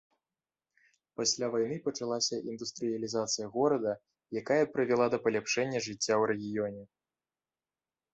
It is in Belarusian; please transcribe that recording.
Пасля вайны пачалася індустрыялізацыя горада, якая прывяла да паляпшэння жыцця ў рэгіёне.